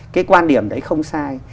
cái quan điểm đấy không sai